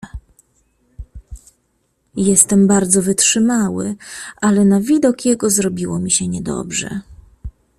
"Jestem bardzo wytrzymały, ale na widok jego zrobiło mi się niedobrze."